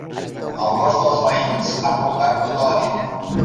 El gos dels veïns ha bordat tota la nit.